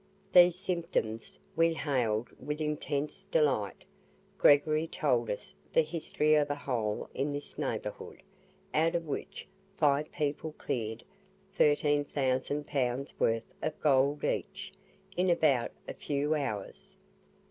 These symptoms we hailed with intense delight. Gregory told us the history of a hole in this neighbourhood, out of which five people cleared 13,000 pounds worth of gold each in about a few hours.